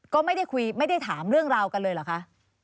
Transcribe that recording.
ก็ไม่ได้ถามเรื่องราวกันเลยหรือคะ